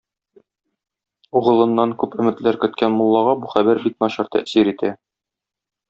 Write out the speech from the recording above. Углыннан күп өметләр көткән муллага бу хәбәр бик начар тәэсир итә.